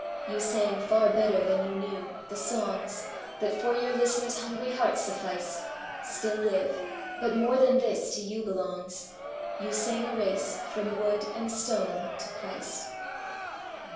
You sang far better than you knew; the songs That for your listeners' hungry hearts sufficed Still live but more than this to you belongs; You sang a race from wood and stone to Christ.